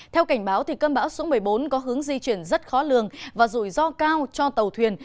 theo cảnh báo cơn bão số một mươi bốn có hướng di chuyển rất khó lường và rủi ro cao cho tàu thuyền